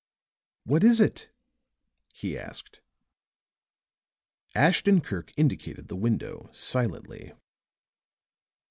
"What is it?" he asked. Ashton Kirk indicated the window silently.